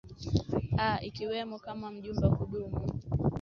a ikiwemo kama mjumbe wa kudumu